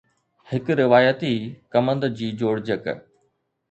هڪ روايتي ڪمند جي جوڙجڪ